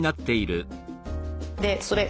でそれ